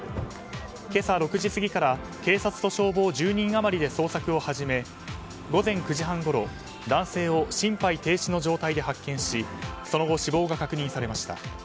今朝６時過ぎから警察と消防１０人余りで捜索を始め午前９時半ごろ男性を心肺停止の状態で発見しその後、死亡が確認されました。